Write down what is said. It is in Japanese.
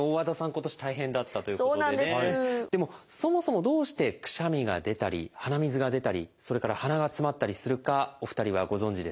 今年大変だったということでね。でもそもそもどうしてくしゃみが出たり鼻水が出たりそれから鼻がつまったりするかお二人はご存じですか？